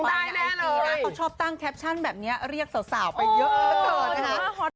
เขาชอบตั้งแคปชั่นแบบเนี้ยเรียกสาวไปเยอะ